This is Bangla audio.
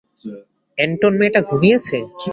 এন্টন মেয়েটা ঘুমিয়েছে?